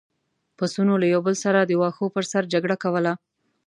پسونو له یو بل سره د واښو پر سر جګړه کوله.